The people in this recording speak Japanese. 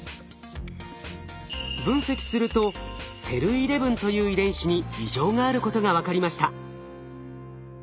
分析すると「ｓｅｌー１１」という遺伝子に異常があることが分かりました。